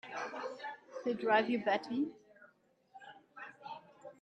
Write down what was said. He'll drive you batty!